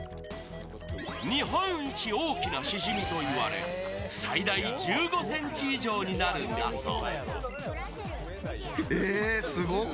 日本一大きなシジミといわれ最大１５ｃｍ以上になるんだそう。